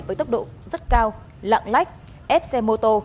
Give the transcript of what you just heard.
với tốc độ rất cao lạng lách ép xe mô tô